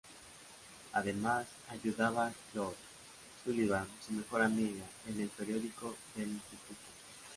Además ayudaba a Chloe Sullivan, su mejor amiga, en el periódico del instituto.